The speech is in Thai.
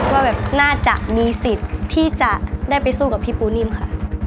ว่าแบบน่าจะมีสิทธิ์ที่จะได้ไปสู้กับพี่ปูนิ่มค่ะ